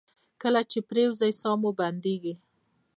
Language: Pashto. کله چې پریوځئ ساه مو بندیږي؟